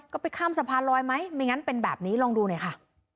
ก็ไปข้ามสะพานลอยไหมไม่งั้นเป็นแบบนี้ลองดูหน่อยค่ะ